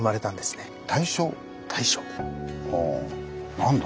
何だ？